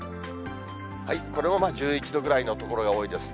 これも１１度ぐらいの所が多いですね。